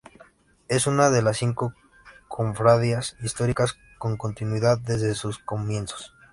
Es una de las cinco cofradías históricas con continuidad desde sus comienzos.